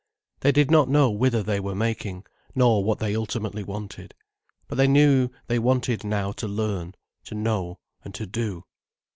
They did not know whither they were making, nor what they ultimately wanted. But they knew they wanted now to learn, to know and to do.